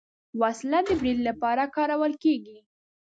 وسله د برید لپاره کارول کېږي